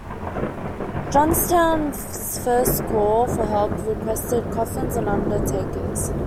Johnstown's first call for help requested coffins and undertakers.